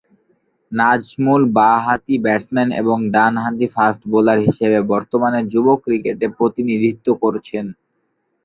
নাজমুল বা-হাতি ব্যাটসম্যান এবং ডান-হাতি ফাস্ট বোলার হিসেবে বর্তমানে যুব ক্রিকেটে প্রতিনিধিত্ব করছেন।